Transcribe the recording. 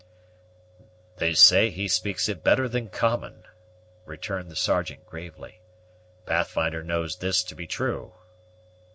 "They say he speaks it better than common," returned the Sergeant gravely. "Pathfinder knows this to be true."